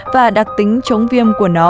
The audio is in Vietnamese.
và đặc tính chống viêm của nó